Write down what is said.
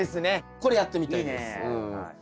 これやってみたいです。